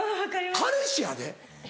彼氏やで？